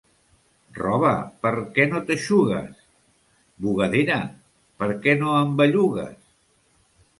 Roba, per què no t'eixugues? —Bugadera, per què no em bellugues?